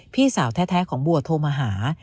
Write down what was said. พี่สาวแท้ของบัวโทรมาหา